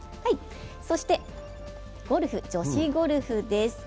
そして女子ゴルフです。